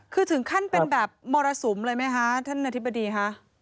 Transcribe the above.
คือถึงขั้นเป็นแบบมรสุมเลยไหมคะท่านอธิบดีคะ